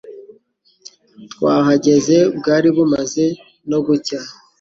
Twahageze bwari bumaze no gucya.